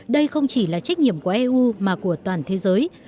đây không chỉ là trách nhiệm của eu mà của toàn thế giới